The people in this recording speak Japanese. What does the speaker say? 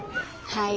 はい。